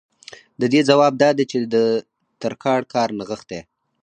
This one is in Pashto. د دې ځواب دا دی چې د ترکاڼ کار نغښتی